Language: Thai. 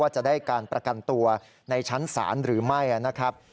จะได้การประกันตัวในชั้นศาลหรือไม่นะครับ